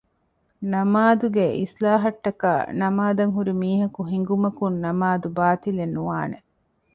ނަމާދުގެއިޞްލާޙަށްޓަކައި ނަމާދަށްހުރިމީހަކު ހިނގުމަކުން ނަމާދު ބާޠިލެއް ނުވާނެ